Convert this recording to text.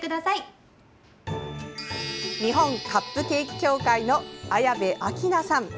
日本カップケーキ協会の綾部暁奈さん。